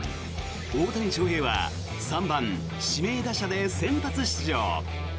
大谷翔平は３番指名打者で先発出場。